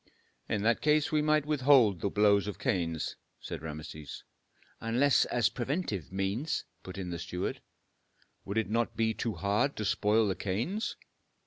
"In that case we might withhold the blows of canes," said Rameses. "Unless as preventive means," put in the steward. "Would it not be too bad to spoil the canes?"